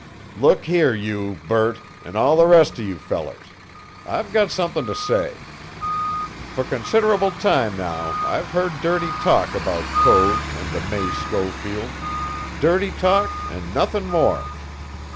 "Look here you, Burt, an' all the rest of you fellers. I've got something to say. Fer consid'able time now I've heard dirty talk about Code and the May Schofield dirty talk an' nothin' more.